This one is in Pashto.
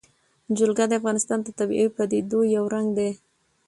جلګه د افغانستان د طبیعي پدیدو یو رنګ دی.